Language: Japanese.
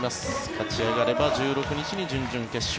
勝ち上がれば１６日に準々決勝。